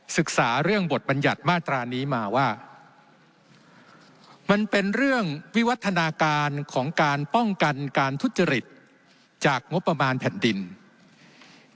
ศึกษาเรื่องบทบัญญัติมาตรานี้มาว่ามันเป็นเรื่องวิวัฒนาการของการป้องกันการทุจริตจากงบประมาณแผ่นดิน